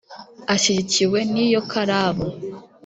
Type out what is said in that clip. ashyigikiwe n iyo karabu